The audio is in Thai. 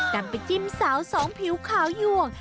นำไปจิ้มสาวสองผิวขาวยวง